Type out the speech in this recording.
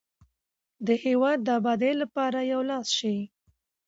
د هیواد د ابادۍ لپاره یو لاس شئ.